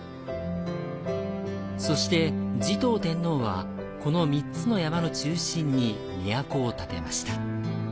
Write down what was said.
そして持統天皇は、この３つの山の中心に都を建てました。